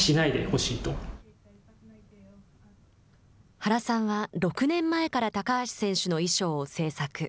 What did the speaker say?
原さんは、６年前から高橋選手の衣装を制作。